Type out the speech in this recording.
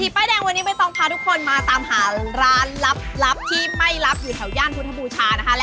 ป้ายแดงวันนี้ใบตองพาทุกคนมาตามหาร้านลับที่ไม่รับอยู่แถวย่านพุทธบูชานะคะ